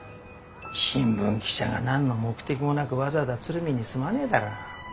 新聞記者が何の目的もなくわざわざ鶴見に住まねえだろ。